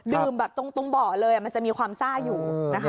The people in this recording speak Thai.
แบบตรงเบาะเลยมันจะมีความซ่าอยู่นะคะ